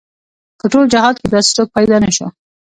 په ټول جهاد کې داسې څوک پيدا نه شو.